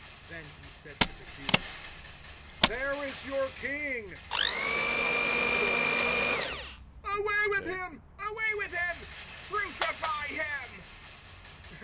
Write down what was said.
Then he said to the Jews, "There is your king!" 019:015 This caused a storm of outcries, "Away with him! Away with him! Crucify him!"